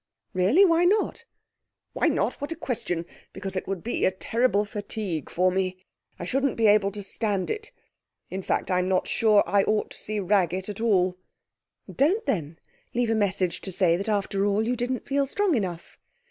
'Really? Why not?' 'Why not? What a question! Because it would be a terrible fatigue for me. I shouldn't be able to stand it. In fact I'm not sure that I ought to see Raggett at all.' 'Don't, then. Leave a message to say that after all you didn't feel strong enough.'